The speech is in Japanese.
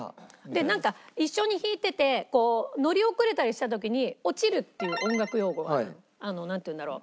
でなんか一緒に弾いててこう乗り遅れたりした時に「落ちる」っていう音楽用語があるの。なんて言うんだろう。